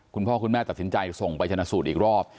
คุณพ่อคุณแม่ตัดสินใจส่งไปชนะสูตรอีกรอบ